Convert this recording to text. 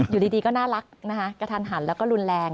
อยู่ดีก็น่ารักนะคะกระทันหันแล้วก็รุนแรง